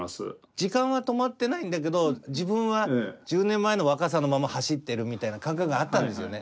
時間は止まってないんだけど自分は１０年前の若さのまま走ってるみたいな感覚があったんですよね。